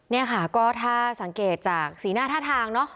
นี่ค่ะก็ถ้าสังเกตจากสีหน้าท่าทางเนอะ